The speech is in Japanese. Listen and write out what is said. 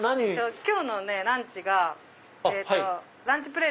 今日のランチがランチ